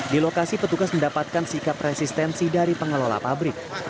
di lokasi petugas mendapatkan sikap resistensi dari pengelola pabrik